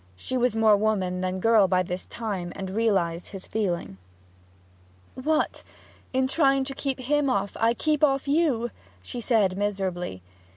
She was more woman than girl by this time, and realized his feeling. 'What in trying to keep off him, I keep off you?' she said miserably.